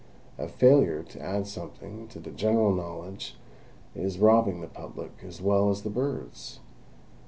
A failure to add something to the general knowledge is robbing the public as well as the birds.